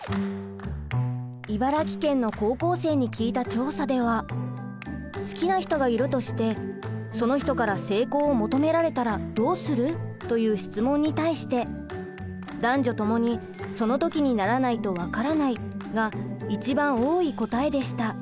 茨城県の高校生に聞いた調査では「好きな人がいるとしてその人から性交を求められたらどうする？」という質問に対して男女ともに「そのときにならないとわからない」が一番多い答えでした。